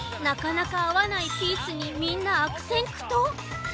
なかなかあわないピースにみんなあくせんくとう。